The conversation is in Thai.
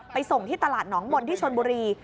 ส่งที่ตลาดหนองมนที่ชนบุรี